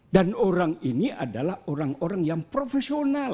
dan orang ini adalah orang orang yang profesional